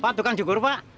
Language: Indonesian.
pak itu kan syukur pak